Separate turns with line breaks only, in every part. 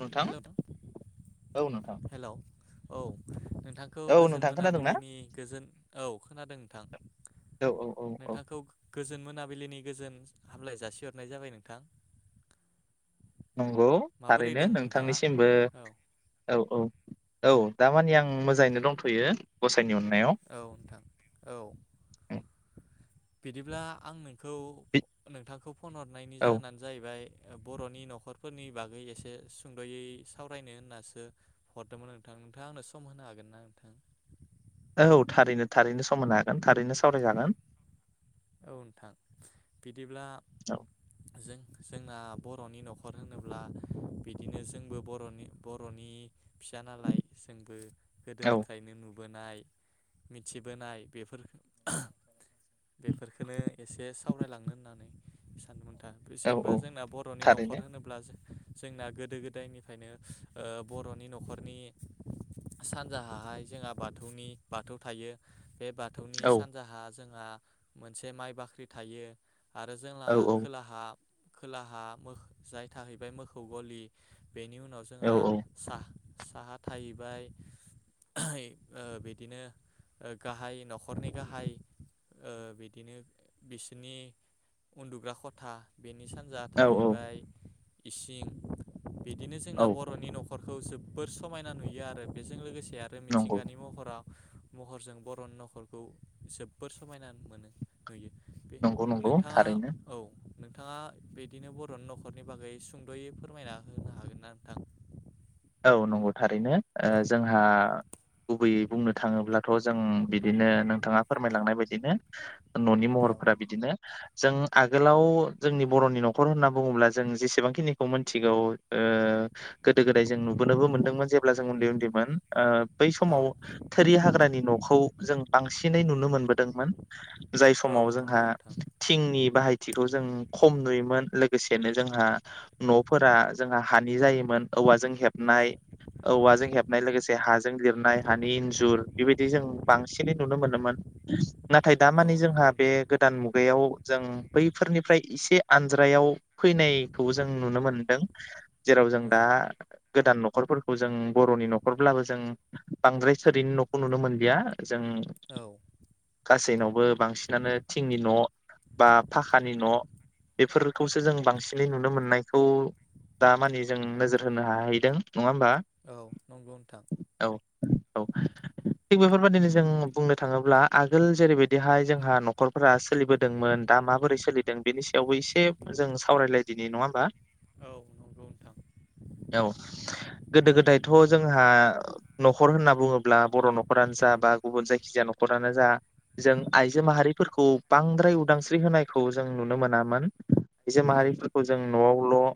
नोंथां
हेल'
औ नोंथां
हेल' औ नोंथांखौ
औ
गोजोन
नोंथां खोनादोंना
मोनाबिलिनि गोजोन औ खोनादों नोंथां।
औ औ औ औ
नोंथांखौ गोजोन मोना बिलिनि गोजोन हामलाय जासिहरनाय जाबाय नोंथां।
नंगौ
माबोरै
थारैनो
दं नोंथाङा
नोंथांनिसिमबो
औ
औ औ। औ दामानि आं मोजाङैनो दंथ'यो ग
औ नोंथां औ। बिदिब्ला आं नों खौ नोंथांखौ फन हरनायनि
औ
जाहोनानो जाहैबाय बर'नि न'खरफोरनि बागै एसे सुंद'यै सावरायनो होननासो हरदोंमोन नोंथां‌ नोंथाङा आंनो सम होनो हागोन ना नोंथां?
औ थारैनो थारैनो समाननो हागोन थारैनो सावरायजागोन।
औ नोंथां बिदिब्ला
औ
जों जोंना बर'नि न'खर होनोब्ला बिदिनो जोंबो बर'नि बर'नि फिसा नालाय जोंबो
औ
गोदोनिफ्रायनो नु बोनाय, मिथिबोनाय बेफोर बेफोरखौनो एसे सावरायलांनो होननानै सानदोंमोन नों थां।
औ
जेनबा
औ
जोंना बर'नि न'खर
थारैनो
होनोब्ला जोंना गोदो गोदायनिफ्रायनो ओ बर'नि न'खरनि सानजाहाहाय जोंहा बाथौनि बाथौ थायो। बे बाथौनि
औ
सानजाहा जोंहा। मोनसे माइ बाख्रि थायो। आरो जोंना
औ औ
खोलाहा। खोलाहा मोखो जाय थाहैबाय मोखौ गलि। बेनि उनाव
औ
जोंहा साहा। साहा थाहैबाय ओहोय बिदिनो ओ गाहाय न'खरनि गाहाय ओ। बिदिनो बिसोरनि उन्दुग्रा खथा बे। सानजा
औ औ
थाहैबाय। इसिं। बिदिनो जोंना
औ
बर'नि न'ख। खरखौ जोबोर समायना नुयो आरो बेजों लोगोसे। ऐ आरो
नंगौ
मिथिंगानि महराव। महरजों बर' न'खरखौ जोबोर समायना मोनो। होयो।
नंगौ नंगौ थारैनो।
नोंथाङा बिदिनो बर'नि न'खरनि बागै सुंद'यै फोरमायना होनो हागोन ना नोंथां?
औ नंगौ। थारैनो ओ
औ
जोंहा गुबैयै बुंनो थाङोब्लाथ' जों बिदिनो नोंथाङा फोरमायलांनाय बायदिनो न'नि
औ
महरफोरा बिदिनो। जों आगोलाव जोंनि बर'नि न'खर होनना बुङोब्ला जों जेसेबांखिनिखौ मिथिगौ ओ गोदो गोदा दै जों नुबोनोबो मोनदोंमोन जेब्ला जों उन्दै उन्दैमोन ओ बै समाव थोरि हाग्रानि न'खौ बांसिनै नुनो मोनबोदोंमोन‌। जाय समाव
नंगौ
जोंहा
नोंथां
थिंनि थिखौ जों खम नुयोमोन लोगोसेनो जोंहा न'फोरा जोंहा हानि जायोमोन। औवाजों
औ
हेबनाय औवाजों हेबनाय लोगोसे हाजों लिरनाय हानि इन्जुर बेबादि जों बांसिनै नुनो मोनोमोन। नाथाय दा
औ
माने जोंहा
नंगौ
बे
नोंथां
गोदान मुगायाव जों बैफोरनिफ्राय इसे आनज्रायाव फैनायखौबो जों नुनो मोनदों। जेराव जों
औ
दा गोदान न'खरफोरखौ जों बर'नि न'खरब्लाबो जों बांद्राय थोरिनि न'खौ नुनो मोनलिया। जों
औ
गासैनावबो बांसिनानो थिंनि न' बा फाखानि न' बेफोरखौसो जों बांसिनै नुनो मोननायखौ दा मानि जों होनो हाहैदों। नङा होमबा
औ नंगौ नोंथां।
औ औ थिग बेफोरबाददिनो जों बुंनो थाङोब्ला आगोल जेरैबायदिहाय जोंहा न'खरफोरा सोलिबोदोंमोन दा माबोरै सोलिदों बेनि सायावबो एसे जों सावरायलायदिनि नङा होमबा?
औ नंगौ नोंथां।
औ गोदो गोदायथ' जोंहा न'खर होनना बुङोब्ला बर' न'खरानो जा बा गुबुन जायखिजाया न'खरानो जा जों आइजो माहारिफोरखौ बांद्राय उदांस्रि होनायखौ जों नुनो मोनामोन। आइजो
औ
माहारिफोरखौ जों न'आव ल'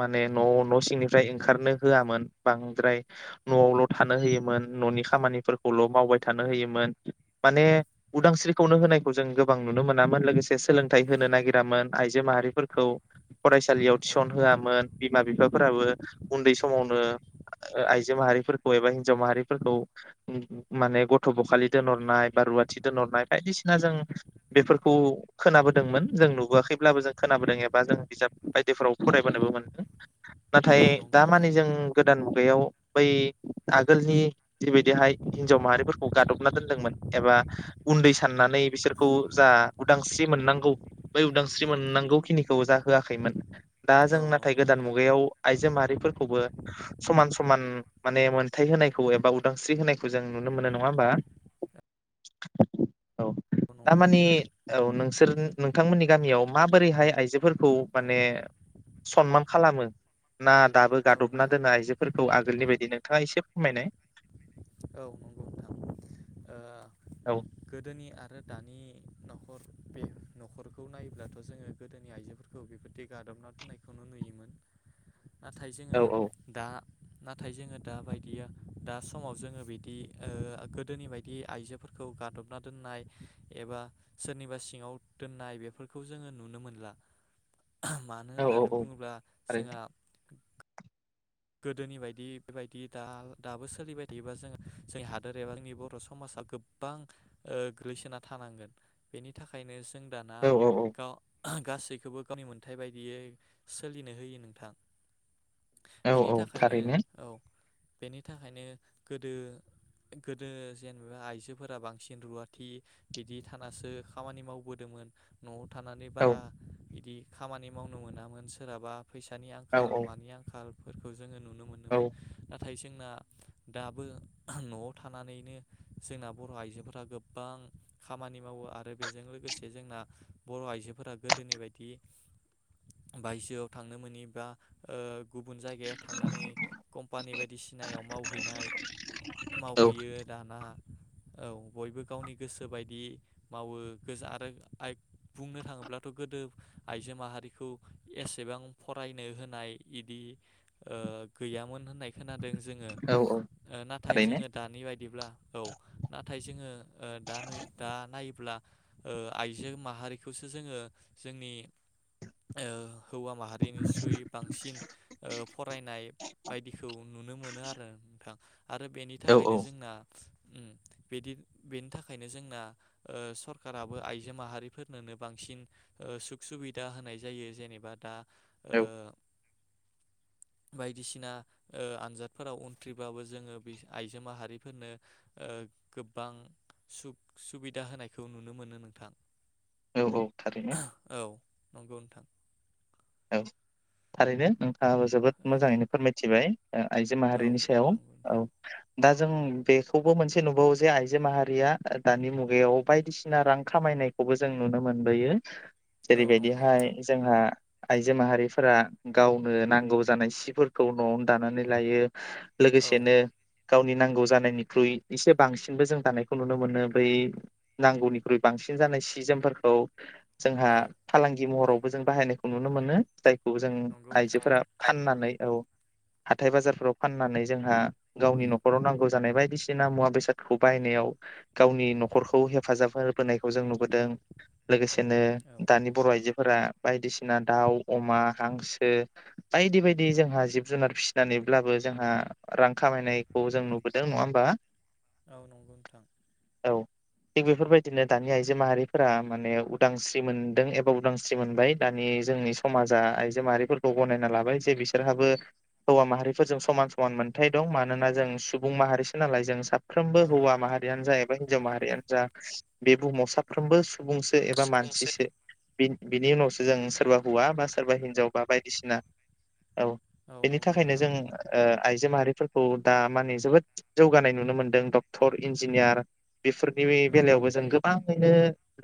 माने न' सिं फ्राय ओंखारनो होआमोन बांद्राय न'आवल' थानो होयोमोन न'नि खामानिफोरखौल' मावबाय थानो होयोमोन माने उदांस्रिखौनो होनायखौ जों गोबां नुनो मोनामोन लोगोसे सोलोंथाइ होनो नागिरामोन आइजो माहारिफोरखौ फरायसालियाव थिसन होआमोन। बिमा बिफाफोराबो उन्दै समावनो आइजो माहारिफोरखौ एबा हिनजाव माहारिफोरखौ माने गथ' बखालि दोनहरनाय बा रुवाथि दोनहरनाय बायदिसिना जों बेफोरखौ खोनाबोदोंमोन जों नुबोआखैब्लाबो जों खोनाबोदों एबा जों बिजाब बायदिफोराव फरायबोनोबो मोनदों। नाथाय
औ नंगौ
दा
नोंथां
माने जों गोदान बै आगोलनि जिबायदिहाय हिनजाव माहारिफोरखौ गादबना दोनदोंमोन एबा उन्दै साननानै बिसोरखौ जा उदांस्रि मोननांगौ बै उदांस्रि मोननांगौ खिनिखौ जा होआखैमोन। दा
औ
जों नाथाय
नंगौ
गोदान
नोंथां
मुगायाव आइजो माहारिफोरखौबो समान समान माने मोनथाय होनायखौ एबा उदांस्रि होनायखौ जों नुनो मोनो नङा होनबा औ तारमानि औ नोंसोर नोंथांमोननि गामियाव माबोरैहाय आइजोफोरखौ
नोंथां
माने सनमान खालामो? ना दाबो
औ औ
गादबना
नोंथां
दोनो आइजोफोरखौ आगोलनि बायदिनो नोंथाङा एसे फोरमायनाय।
औ नंगौ नोंथां ओ
औ
गोदोनि आरो दानि न'खर बे न'खरखौ नायोब्लाथ' जोङो गोदोनि आइजोफोरखौ बेबादि गादबना दोननायखौनो नुयोमोन। नाथाय
औ
जोङो
औ
दा नाथाय जोङो दााबायदियाव दा समाव जोङो बिदि ओ गोदोनि बायदि आइजोफोरखौ गादबना दोननाय एबा सोरनिबा सिङाव दोननाय बेफोरखौ जोङो नुनो मोनला। मानो
औ औ
होननानै
औ
बुङोब्ला
थारैनो
जोंहा गोदोनि बायदि बेबायदि दा दाबो सोलिबाय थायोबा जोङ जोंनि हादोर एबा बर' समाजा गोबां गोग्लैसोना थानांगोन बेनि थाखायनो। जों दाना
औ औ
गासैखौबो गावनि मोनथाय बायदियै सोलिनो होयो नोंथां।
औ
बेनि
औ
थाखायनो
थारैनो
औ। बेनि थाखायनो गोदो गोदो जेनेबा आइजोफोरा बांसिन रुवाथि बिदि थानासो खामानि मावबोदोंमोन न'आव थानानै
औ
बारा बिदि खामानि मावनो मोनामोन सोरहाबा फैसानि
औ
आंखाल मानि आंखाल जोङो नुनो
औ
मोनोमोन। नाथाय जोंना दाबो न'आव थानानैनो जोंना बर' आइजोफोरा गोबां खामानि मावो आरो बेजों लोगोसे जोंना बर' आइजोफोरा गोदोनि बायदि बायजोआव थांनो मोनि बा गुबुन जायगायाव थांनानै कम्पानि बायदिसिनायाव मावहैनाय मावहैयो दाना। औ बयबो गावनि गोसो बायदि मावो गो आरो आय बुंनो थाङोब्लाथ' गोदो आइजो माहारिखौ एसेबां फरायनो होनाय इदि ओ गैयामोन होननाय खोनानो। जोङो
औ
नाथाय
थारैनो
जोङो दानि बायदिब्ला औ नाथाय जोङो ओ दा नुयो दा नायो। अब्ला ओ आइजो माहारिखौसो जोङो जोंनि ओ। हौवा माहारिनिस्रुयै बांसिन। फरायनाय बायदिखौ नुनो मोनो आरो। नोंथां। आरो बेनि
औ
थाखायनो
औ
जोंना। उ बिदि बेनि थाखायनो जोंना ओ सरकाराबो आइजो माहारिफोरनोनो बांसिन ओ सुख सुबिदा होनाय जायो जेनेबा दा। ओ। बायदिसिना ओ आनजादफोराव उनथ्रिबाबो जोङो आइजो माहारिफोरनो ओ गोबां सुग सुबिदा होनायखौ नुनो मोनो नोंथां।
औ- औ- थारैनो।
औ नंगौ नोंथां।
औ थारैनो नों। आंबो जोबोद मोजाङैनो फोरमायथिबाय आइजो
औ
माहारिनि सायाव
नंगौ
औ।
नोंथां
दा जों बेखौबो मोनसे नुबावो जे आइजो माहारिया दानि मुगायाव बायदिसिना रां खामायनायखौबो जों नुनो मोनबोयो।
औ नंगौ
जेरैबायदिहाय
नोंथां
जोंहा। आइजो माहारिफोरा गावनो नांगौ जानाय सिफोरखौ न'आवनो दानानै लायो।
औ
लोगोसेनो गावनि नांगौ जानायनिख्रुइ एसे बांसिनबो जों दानायखौ नुनो मोनो बै नांगौनिख्रुइ बांसिन जानाय सि जोमफोरखौ। जोंहा
औ
फालांगि महराव। जों बाहायनाय। नुनो मोनो जाय। खौ जों
नंगौ नोंथां
आइजोफोरा फाननानै औ। हाथाय बाजारफोराव फाननानै जोंहा गावनि न'खराव नांगौ जानाय बायदिसिना मुवा बेसादखौ बायनायाव गावनि न'खरखौ हेफाजाब होबोनायखौ जों नुबोदों लोगोसे।
औ
बिदिनो दानि बर' आइजोफोरा। बायदि। बसिना दाउ अमा हांसो बायदि बायदि जोंहा जिब जुनार फिसिनानैब्लाबो जोंहा रां खामायनायखौ जों नुबोदों नङा होमबा।
औ नंगौ नोंथां।
औ थिग बेफोरबायदिनो दानि आइजो माहारिफोरा माने उदांस्रि मोनदों एबा उदांस्रि मोनबाय। दानि जोंनि समाजा आइजो माहारिफोरखौ गनायना लाबाय जे बिसोरहाबो हौवा माहारिफोरजों समान समान मोनथाय दं मानोना जों सुबुं माहारिसो नालाय जों सा। साफ्रोमबो
औ
हौवा माहारियानो जा एबा हिनजाव माहारियानो जा। बे बुहुमाव साफ्रोमबो सु। सुबुंसो एबा
सुबुंसे
मानसिसो बिनि उनावसो।
औ
जों सोरबा हौवा बा सो सोरबा हिनजाव बा बायदिसिना औ बेनि
नंगौ
थाखायनो
नोंथां
जोङो ओ आइजो माहारिफोरखौ दा माने जोबोद जौगानाय नुनो मोनदों डक्टर इन्जिनियार बेफोरनि
औ
बेलायावबो जों गोबां खायनो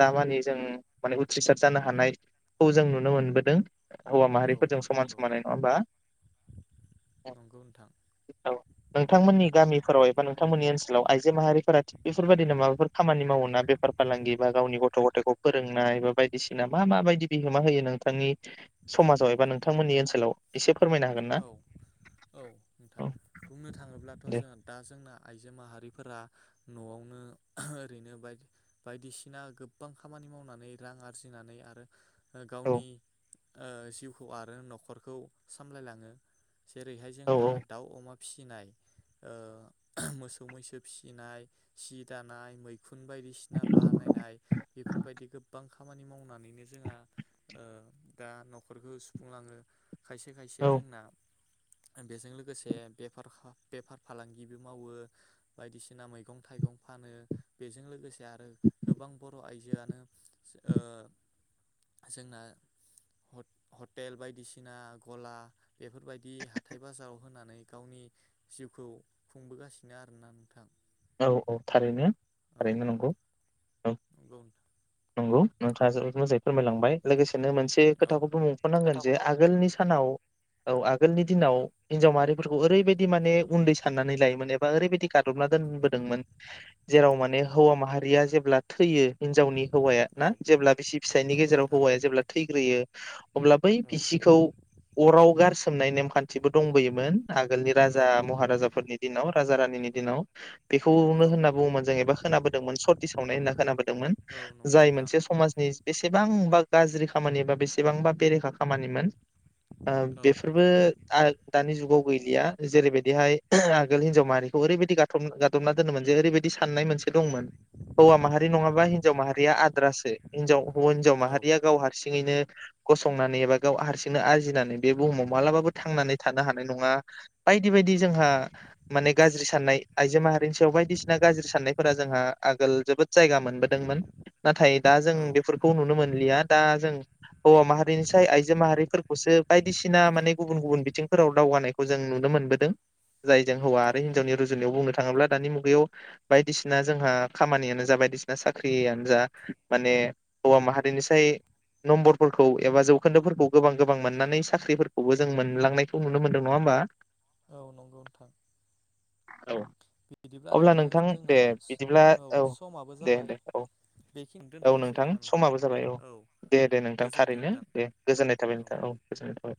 दामानि जों माने उथ्रिसार जानो हानाय खौ जों नुनो मोनबोदों। हौवा
औ
माहारिफोरजों समान
नंगौ
समानै नङा होमबा
नंगौ नोंथां
औ नोंथांमोननि गामि फोराव एबा नोंथांमोननि ओनसोलाव आइजो माहारिफोरा थि बेफोरबायदिनो माबाफोर खामानि मावोना बेफार फालांगि बा गावनि गथ' गथथायखौ फोरोंनाय बा बायदिसिना मा मा बायदि बिहोमा होयो नोंथांनि समाजाव एबा नोंथांमोननि ओनसोलाव एसे फोरमायनो हागोन ना
औ औ नोंथां
औ
बुंनो थाङोब्लाथ'
दे
जोङा दा जोंना आइजो माहारिफोरा न'आवनो ओरैनो बायदि बायदिसिना गोबबां खामानि मावनानै रां आरजिनानै आरो ओ
औ
गावनि ओ जिउखौ आरो न'खरखौ सामलायलां ङो। जेरैहाय
औ
जोंहा दाउ अमा फिसिनाय ओ मोसौ मैसो फिसिनाय सि दानाय मैखुन बायदिसिना बानायनाय बेफोरबायदि गोबां खामानि मावनानैनो जोङा ओ दा न'खरखौ सुफुंलाङो खायसे या
औ
जोंना बेजों लोगोसे बेफा बेफार फालांगिबो मावो बायदिसिना मैगं थाइगं फानो बेजों लोगोसे आरो गोबां बर' आइजोआनो ओ जोंना हट हटेल बायदिसिना गला बेफोरबायदि हाथाइ बाजाव होनानै गावनि जिउखौ खुंबोगासिनो आरोना नोंथां।
औ औ थारैनो थारैनो नंगौ।
औ नोंथां।
नंगौ नोंथाङा जोबोद मोजायै फोरमायलांबाय लोगोसे नो मोनसे
औ
खोथाखौबो मुंख'नांगोन
खोथाखौ
जे
बुं
आगोलनि सानाव औ आगोलनि दिनाव हिनजाव माहारिफोरखौ ओरैबायदि माने उन्दै साननानै लायोमोन एबा ओरैबायदि गादबना दोनबोदोंमोन जेराव माने हौवा माहारिया जेब्ला थैयो हिनजावनि हौवाया
औ
ना जेब्ला बिसि फिसायनि
नंगौ
गेजेराव
नोंथां
हौवाया जेब्ला थैग्रोयो अब्ला बै
औ
बिसिखौ अराव गारसोमनाय नेमखान्थिबो दंबोयोमोन आगोलनि
औ
राजा
नंगौ नोंथां
महाराजाफोरनि दिनाव राजा रा नि दिनाव। बेखौनो
औ
होनना बुङोमोन जों एबा खोनाबोदोंमोन सति सावनाय होनना खोनाबोदोंमोन।
औ नंगौ
जाय
नोंथां
मोनसे समाजनि बेसेबांबा गाज्रि खामानि बा बेसेबांबा बेरेखा खामानिमोन। ओ
औ
बेफोरबो आ दानि जुगाव गैलिया जेरैबायदिहाय आगोल हिनजाव माहारिखौ ओरैबायदि गा गादबना दोनोमोन जे ओरैबायदि साननाय मोनसे दंमोन हौवा माहारि नङाबा हिनजाव माहारिया आद्रासो हिनजाव हौवा हिनजाव
औ
माहारिया गाव हारसिं बेदिनो गसंनानै एबा गाव हारसिंनो आरजिनानै बे बुहुमाव मालाबाबो थांनानै थानो हानाय नङा बायदि बायदि जोंहा माने गाज्रि साननाय आइजो माहारिनि सायाव बायदिसिना गाज्रि साननायफोरा जोंहा आगोल जोबोद जायगा मोनबोदोंमोन। नाथाय दा जों
औ
बेफोरखौ नुनो मोनलिया दा जों हौवा माहारिनि साय आइजो माहारिफोरखौसो बायदिसिना माने गुबुन गुबुन बिथिंफोराव दावगानायखौ जों नुनो मोनबोदों। जायजों हौव
औ
आरो हिन्जावनि रुजु बेयाव बुंनो थाङोब्ला दानि मुगायाव बायदिसिना जोंहा खामानियानो जा बायदिसिना साख्रियानो जा माने हौवा माहारिनिसाय नम्बरफोरखौ एबा जौखोन्दोफोरखौ गोबां गोबां मोननानै साख्रिफोरखौबो जों मोनलांनायखौ नुनो मोनदों नङा होमबा?
औ नंगौ नोंथां।
औ
बिदिब्ला
अब्ला नोंथां दे
जोंना
बिदिब्ला औ
समाबो
दे
जाबाय
दे औ
बेखिनि
औ
दोनथ'नोसै
नोंथां
नामा
समाबो जाबाय औ दे दे नोंथां
गोजोन्थों
थारैनो
नोंथां
दे गोजोननाय थाबाय नोंथां औ गोजोननाय थाबाय।